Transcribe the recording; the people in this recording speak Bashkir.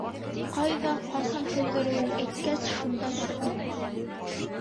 Ҡайҙа, ҡасан тыуҙырыуын әйткәс, шунда барҙым.